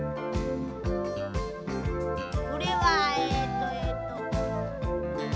これはえっとえっと。